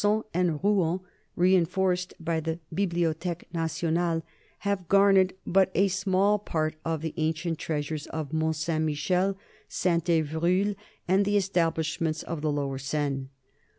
on, and Rouen, reenforced by the Bibliothque Nationale, have garnered but a small part of the ancient treasures of Mont Saint Michel, Saint Evroul, and the establish ments of the lower Seine.